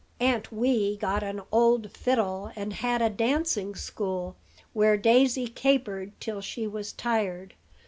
Aunt Wee got an old fiddle, and had a dancing school, where Daisy capered till she was tired.